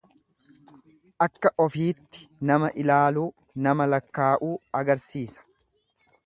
Akka ofiitti nama ilaaluu, nama lakkaa'uu agarsiisa.